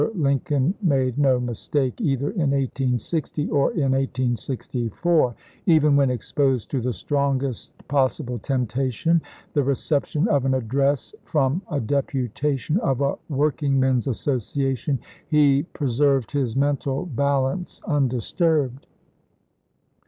Lincoln made no mistake either in 1860 or in 1864. Even when exposed to the strongest possi ble temptation, the reception of an address from a deputation of a workingmen's association, he preserved his mental balance undisturbed.